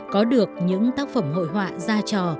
có được những tác phẩm hội họa ra trò